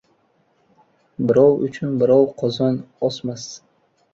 Birov uchun birov qozon osmas.